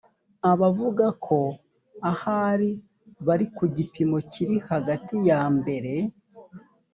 abavuga ko ahari bari ku gipimo kiri hagati ya mbere